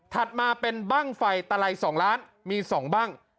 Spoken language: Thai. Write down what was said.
ถัดมาเป็นบ้างไฟตะไลล้สองล้านมีสองบ้าง